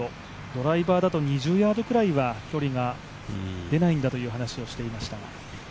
ドライバーだと２０ヤードぐらいは距離が出ないんだという話をしていましたが。